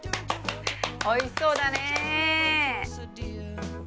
おいしそうだね。